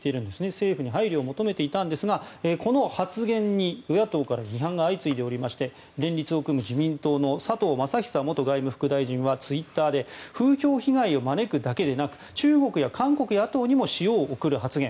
政府に配慮を求めていたんですがこの発言に与野党から批判が相次いでおりまして連立を組む自民党の佐藤正久元外務副大臣はツイッターで風評被害を招くだけではなく中国や韓国野党にも塩を送る発言。